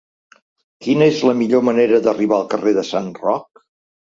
Quina és la millor manera d'arribar al carrer de Sant Roc?